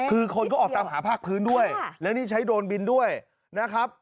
คือคนก็ออกตามหาภาคพื้นด้วยและนี่ใช้โดรนบินด้วยนะครับ